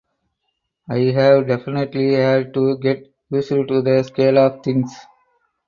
I have definitely had to get used to the scale of things.